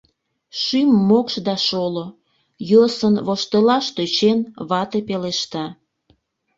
Шӱм-мокш да шоло, — йӧсын воштылаш тӧчен, вате пелешта.